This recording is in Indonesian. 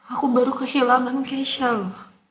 aku baru kehilangan keisha loh